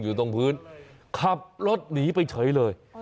อยู่ตรงพื้นขับรถหนีไปเฉยเลย